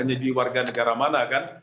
dan misalnya di warga negara mana kan